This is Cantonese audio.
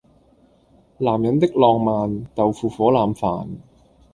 男人的浪漫，豆腐火腩飯